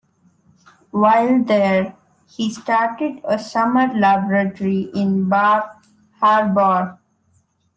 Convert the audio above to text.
While there he started a summer laboratory in Bar Harbor.